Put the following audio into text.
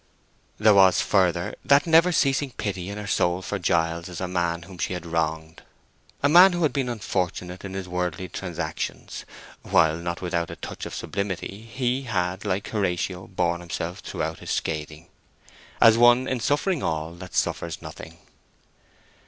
There was, further, that never ceasing pity in her soul for Giles as a man whom she had wronged—a man who had been unfortunate in his worldly transactions; while, not without a touch of sublimity, he had, like Horatio, borne himself throughout his scathing "As one, in suffering all, that suffers nothing."